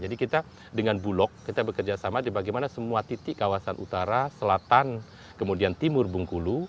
jadi kita dengan bulog kita bekerjasama di bagaimana semua titik kawasan utara selatan kemudian timur bungkulu